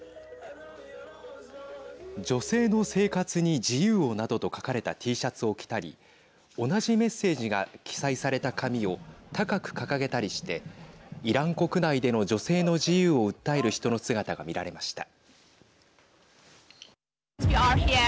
女性の生活に自由をなどと書かれたＴシャツを着たり同じメッセージが記載された紙を高く掲げたりしてイラン国内での女性の自由を訴える人の姿が見られました。